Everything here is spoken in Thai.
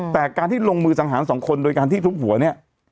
แต่การที่ลงมือสังหารสองคนโดยการที่ทุบหัวเนี่ย